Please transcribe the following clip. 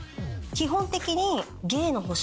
基本的に。